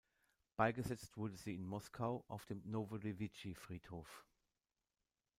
Beigesetzt wurde sie in Moskau auf dem Nowodewitschi-Friedhof.